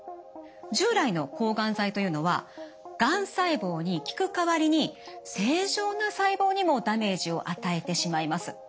従来の抗がん剤というのはがん細胞に効く代わりに正常な細胞にもダメージを与えてしまいます。